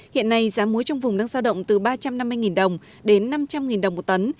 hiện nay giá muối trong vùng đang giao động từ ba trăm năm mươi đồng đến năm trăm linh đồng một tấn